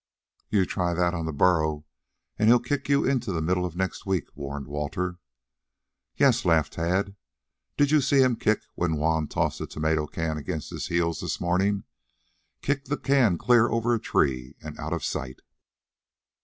"You try that on the burro and he'll kick you into the middle of next week," warned Walter. "Yes," laughed Tad. "Did you see him kick when Juan tossed a tomato can against his heels this morning? Kicked the can clear over a tree and out of sight."